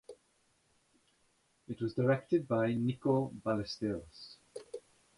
It was directed by Nico Ballesteros.